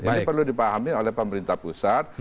ini perlu dipahami oleh pemerintah pusat